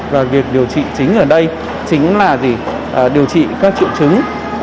và việc điều trị chính ở đây chính là điều trị các triệu chứng